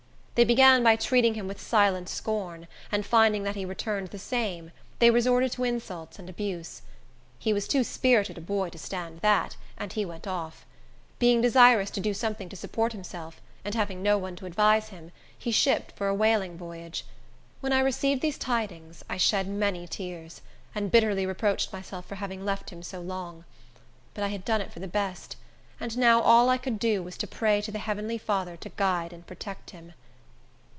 They began by treating him with silent scorn, and finding that he returned the same, they resorted to insults and abuse. He was too spirited a boy to stand that, and he went off. Being desirous to do something to support himself, and having no one to advise him, he shipped for a whaling voyage. When I received these tidings I shed many tears, and bitterly reproached myself for having left him so long. But I had done it for the best, and now all I could do was to pray to the heavenly Father to guide and protect him.